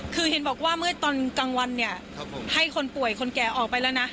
คือเห็นบอกว่าเมื่อตอนกลางวันเนี่ยให้คนป่วยคนแก่ออกไปแล้วนะ